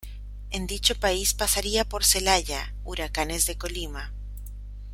En dicho país pasaría por Celaya, Huracanes de Colima.